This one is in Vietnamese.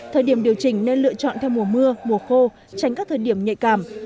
thời điểm điều chỉnh nên lựa chọn theo mùa mưa mùa khô tránh các thời điểm nhạy cảm